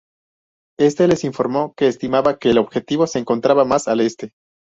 Éste les informó que estimaba que el objetivo se encontraba más al este.